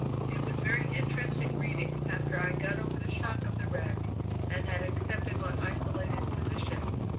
It was very interesting reading after I got over the shock of the wreck and had accepted my isolated position."